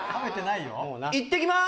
いってきます！